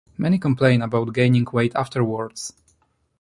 Many complain about gaining weight afterwords.